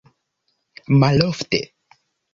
malofte